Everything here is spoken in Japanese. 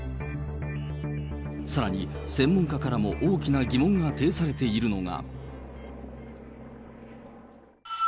さらに専門家からも大きな疑問が呈されているのが。